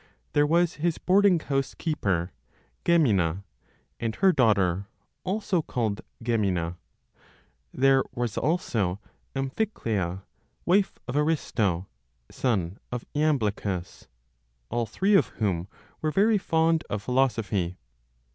There was his boarding house keeper Gemina, and her daughter, also called Gemina; there was also Amphiclea, wife of Aristo, son of Jamblichus, all three of whom were very fond of philosophy.